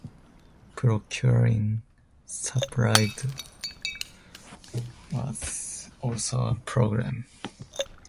Procuring supplies was also a problem.